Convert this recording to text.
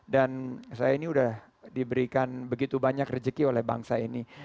dan saya ini sudah diberikan begitu banyak rezeki oleh bangsa ini